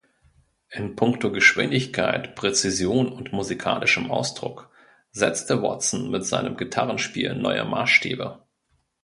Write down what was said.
In puncto Geschwindigkeit, Präzision und musikalischem Ausdruck setzte Watson mit seinem Gitarrenspiel neue Maßstäbe.